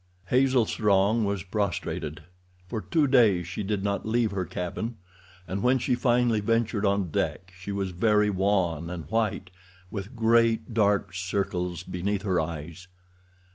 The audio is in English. Hazel Strong was prostrated. For two days she did not leave her cabin, and when she finally ventured on deck she was very wan and white, with great, dark circles beneath her eyes.